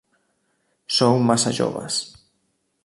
Sou massa joves.